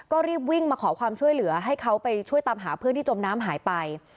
ก็รีบวิ่งมาขอความช่วยเหลือให้เขาไปช่วยตามหาเพื่อนที่จมน้ำหายไป